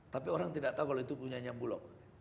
tapi orang tidak tahu kalau itu punya nya bulog